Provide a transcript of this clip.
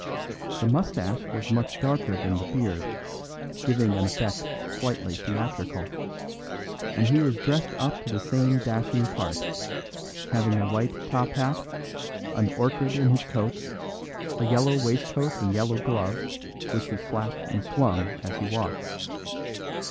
The moustache was much darker than the beard, giving an effect slightly theatrical, and he was dressed up to the same dashing part, having a white top hat, an orchid in his coat, a yellow waistcoat and yellow gloves which he flapped and swung as he walked.